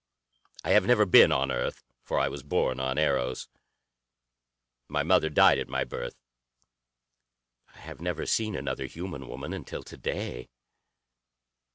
I have never been on Earth, for I was born on Eros. My mother died at my birth. I have never seen another human woman until to day."